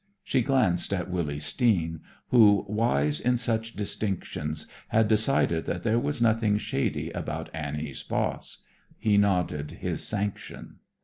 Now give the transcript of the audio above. She glanced at Willy Steen, who, wise in such distinctions, had decided that there was nothing shady about Annie's boss. He nodded his sanction.